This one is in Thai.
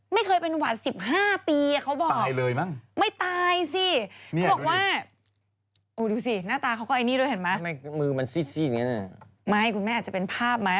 ไม่เคยเป็นหวัด๑๕ปีเขาบอกตายเลยมั้งไม่ตายสิเขาบอกว่าดูสิหน้าตาเขาก็ไอ้นี่ด้วยเห็นไหมมือมันซี่อย่างนี้ไม่คุณแม่อาจจะเป็นภาพไหม